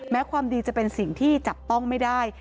ความดีจะเป็นสิ่งที่จับต้องไม่ได้